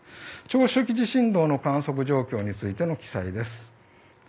長周期地震動の観測状況についての記載です。